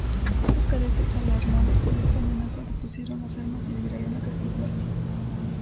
Los cadetes, alarmados por esta amenaza, depusieron las armas y liberaron a Castillo Armas.